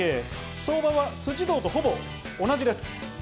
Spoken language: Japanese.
相場は辻堂とほぼ同じです。